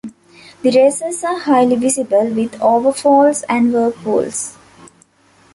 The races are highly visible, with over-falls and whirlpools.